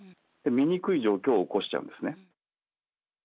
見にくい状況を起こしちゃうんですね。